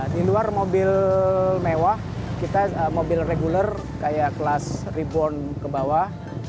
di luar mobil mewah kita mobil reguler kayak kelas reborn ke bawah